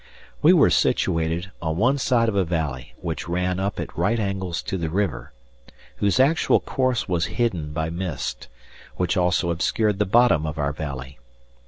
We were situated on one side of a valley which ran up at right angles to the river, whose actual course was hidden by mist, which also obscured the bottom of our valley.